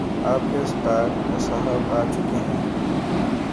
آپ کے استاد صاحب آ چکے ہیں